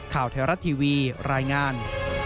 ข่าวไทยรัฐทีวีรายงาน